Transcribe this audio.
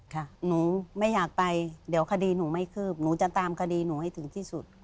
หนูไม่อยากไปเดี๋ยวคดีหนูไม่คืบหนูจะตามคดีหนูให้ถึงที่สุด